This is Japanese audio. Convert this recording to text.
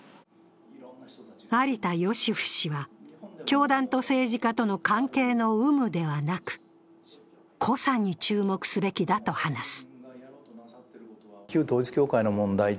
有田芳生氏は、教団と政治家との関係の有無ではなく濃さに注目すべきだと話す。